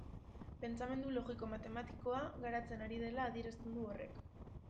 Pentsamendu logiko-matematikoa garatzen ari dela adierazten du horrek.